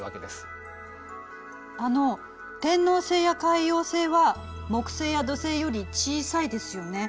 あの天王星や海王星は木星や土星より小さいですよね。